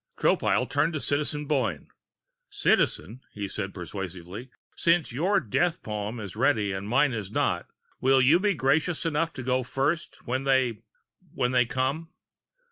Tropile turned to Citizen Boyne. "Citizen," he said persuasively, "since your death poem is ready and mine is not, will you be gracious enough to go first when they when they come?"